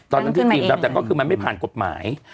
ตอนนั้นที่ทีมรับแต่ก็คือมันไม่ผ่านกฎหมาย